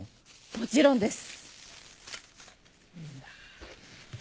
もちろんです！